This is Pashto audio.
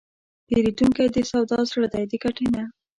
پیرودونکی د سودا زړه دی، د ګټې نه.